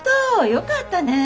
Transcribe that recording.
よかったね。